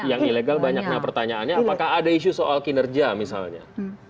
yang ilegal banyak nah pertanyaannya apakah ada isu soal kinerja misalnya